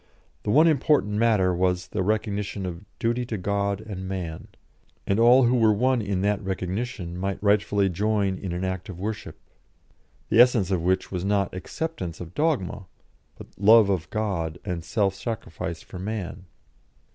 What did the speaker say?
The one important matter was the recognition of "duty to God and man," and all who were one in that recognition might rightfully join in an act of worship, the essence of which was not acceptance of dogma, but love of God and self sacrifice for man.